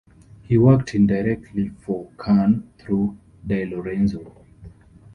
He worked indirectly for Kahn through DiLorenzo.